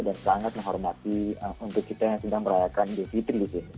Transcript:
mereka sangat menghormati untuk kita yang sedang merayakan di sini